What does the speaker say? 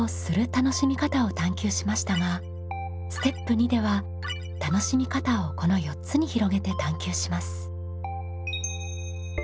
楽しみ方を探究しましたがステップ２では楽しみ方をこの４つに広げて探究します。